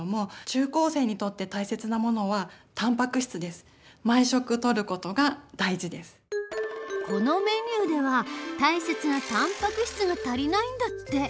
しかしどうしてもこのメニューでは大切なたんぱく質が足りないんだって。